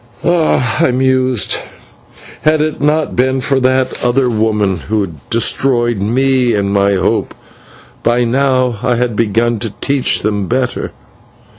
"Ah!" I mused, "had it not been for that other woman who destroyed me and my hope, by now I had begun to teach them better."